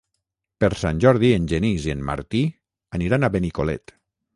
Per Sant Jordi en Genís i en Martí aniran a Benicolet.